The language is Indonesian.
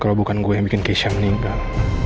kalo bukan gue yang bikin keisha meninggal